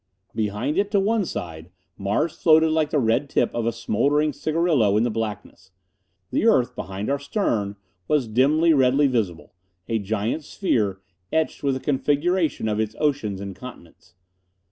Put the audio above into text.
Behind it, to one side, Mars floated like the red tip of a smoldering cigarillo in the blackness. The earth, behind our stern, was dimly, redly visible a giant sphere, etched with the configurations of its oceans and continents.